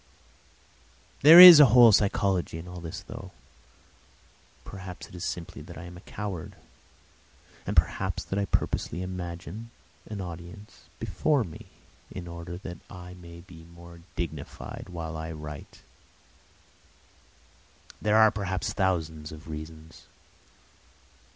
There is a whole psychology in all this, though. Perhaps it is simply that I am a coward. And perhaps that I purposely imagine an audience before me in order that I may be more dignified while I write. There are perhaps thousands of reasons.